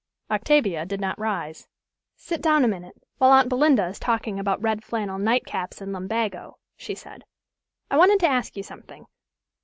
Octavia did not rise. "Sit down a minute, while aunt Belinda is talking about red flannel nightcaps and lumbago," she said. "I wanted to ask you something.